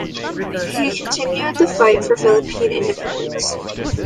He continued the fight for Philippine independence.